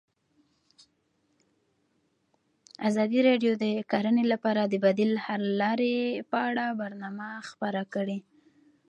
ازادي راډیو د کرهنه لپاره د بدیل حل لارې په اړه برنامه خپاره کړې.